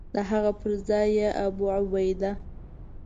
د هغه پر ځای یې ابوعبیده.